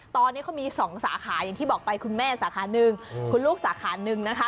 ตอนนี้เขามีสองสาขาอย่างที่บอกไปคุณแม่สาขาหนึ่งคุณลูกสาขาหนึ่งนะคะ